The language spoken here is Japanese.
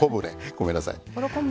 ごめんなさい。